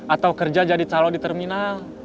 atau kerja jadi calon di terminal